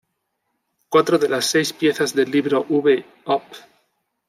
Cuatro de las seis piezas del Libro V, Op.